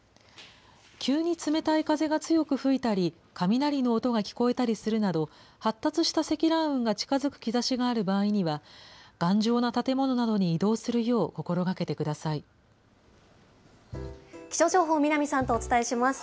急に冷たい風が強く吹いたり、雷の音が聞こえたりするなど、発達した積乱雲が近づく兆しがある場合には、頑丈な建物などに移動す気象情報、南さんとお伝えします。